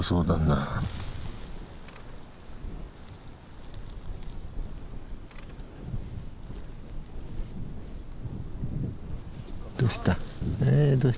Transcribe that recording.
あどうした？